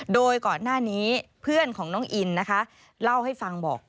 โดยก่อนหน้านี้เพื่อนของน้องอินนะคะเล่าให้ฟังบอก